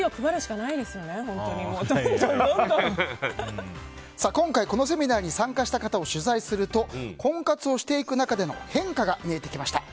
ＬＩＮＥＩＤを今回、このセミナーに参加した方を取材すると婚活をしていく中での変化が見えてきました。